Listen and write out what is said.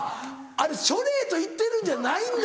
あれチョレイと言ってるんじゃないんだ。